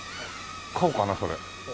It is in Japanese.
買おうかなそれ。